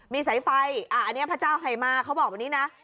มีสายไฟอันนี้พระเจ้าให้มาเขาบอกแบบนี้นะ